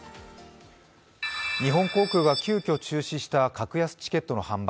日本航空が急きょ中止した格安チケットの販売。